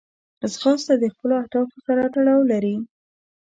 ځغاسته د خپلو اهدافو سره تړاو لري